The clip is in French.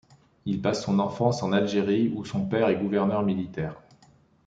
Il passe son enfance en Algérie où son père est gouverneur militaire.